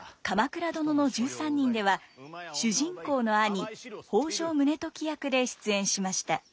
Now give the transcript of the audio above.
「鎌倉殿の１３人」では主人公の兄北条宗時役で出演しました。